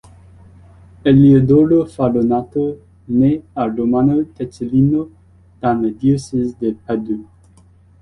Eliodoro Farronato naît à Romano d'Ezzelino dans le diocèse de Padoue.